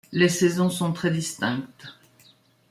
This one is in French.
Les saisons sont très distinctes.